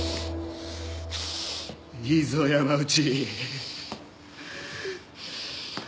いいぞ山内。